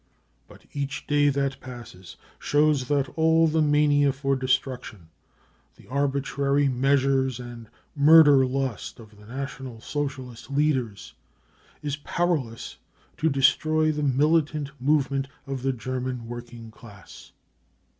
But each day that passes shows that all the mania for destruction, the arbitrary measures and murder lust of the National Socialist leaders, is powerless to destroy the militant movement of the German working class.